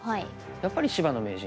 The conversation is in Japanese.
やっぱり芝野名人。